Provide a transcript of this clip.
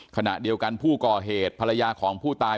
ขณะเดียวกันผู้ก่อเหตุภรรยาของผู้ตาย